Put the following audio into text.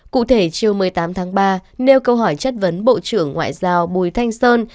cụ thể chiều một mươi tám tháng ba nêu câu hỏi chất vấn bộ trưởng ngoại giao bùi thanh sơn